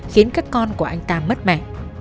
khiến các con của anh ta mất mẹ